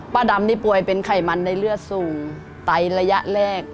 ดำนี่ป่วยเป็นไขมันในเลือดสูงไตระยะแรก